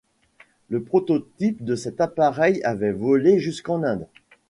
Le prototype de cet appareil avait volé jusqu'en Inde.